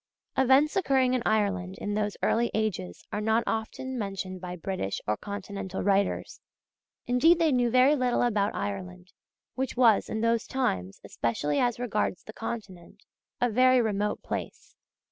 Events occurring in Ireland in those early ages are not often mentioned by British or Continental writers. Indeed they knew very little about Ireland, which was, in those times, especially as regards the Continent, a very remote place.